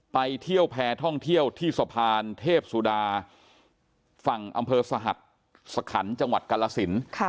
ไปเที่ยวแพร่ท่องเที่ยวที่สะพานเทพสุดาฝั่งอำเภอสหัสสขันจังหวัดกาลสิน